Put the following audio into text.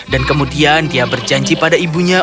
dan kemudian dia berjanji pada ibunya